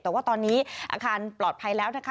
แต่ว่าตอนนี้อาคารปลอดภัยแล้วนะคะ